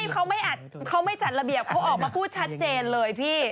เขาไม่จัดระเบียบเขาออกมาพูดชัดเจนเลยพี่